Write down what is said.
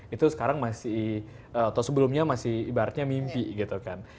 itu sekarang masih atau sebelumnya masih ibaratnya mimpi gitu kan